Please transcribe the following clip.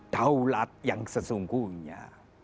daulat yang sesungguhnya